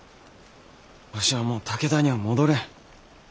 わしはもう武田には戻れん。